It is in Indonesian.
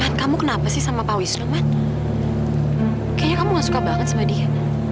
hati kamu kenapa sih sama pak wisnu kan kayaknya kamu gak suka banget sama dia